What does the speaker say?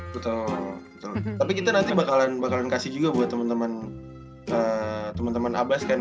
betul tapi kita nanti bakalan bakalan kasih juga buat teman teman abbas kan